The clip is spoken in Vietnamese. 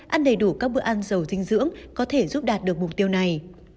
ăn đầy đủ các bữa ăn giàu dinh dưỡng có thể giúp đạt được mục tiêu này